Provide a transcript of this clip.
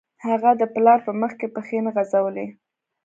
هغه د پلار په مخکې پښې نه غځولې